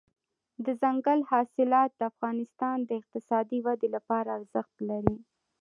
دځنګل حاصلات د افغانستان د اقتصادي ودې لپاره ارزښت لري.